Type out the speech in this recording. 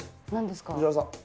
藤原さん。